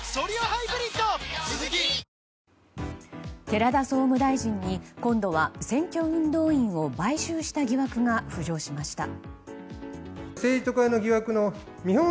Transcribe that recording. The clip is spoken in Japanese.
寺田総務大臣に、今度は選挙運動員を買収した疑惑が浮上しました。